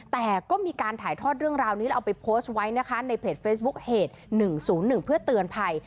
แต่ก็มีการถ่ายทอดเรื่องราวนี้เราเอาไปโพสต์ไว้นะคะในเพจเฟซบุ๊กเหตุหนึ่งศูนย์หนึ่งเพื่อเตือนภัย